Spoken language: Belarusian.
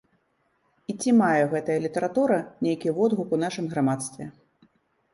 І ці мае гэтая літаратура нейкі водгук у нашым грамадстве.